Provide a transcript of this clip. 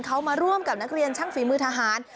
เขามาร่วมกับนักเรียนช่างฝีมือทหาร